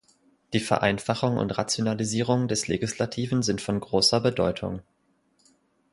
Die Vereinfachung und Rationalisierung des legislativen sind von großer Bedeutung.